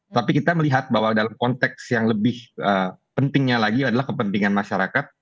tapi kita melihat bahwa dalam konteks yang lebih pentingnya lagi adalah kepentingan masyarakat